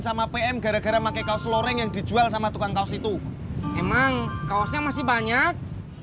sama pm gara gara pakai kaos loreng yang dijual sama tukang kaos itu emang kaosnya masih banyak